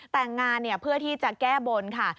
แต่งงานเพื่อที่จะแก้บนค่ะ